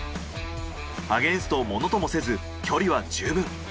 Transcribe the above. アゲインストをものともせず距離は十分。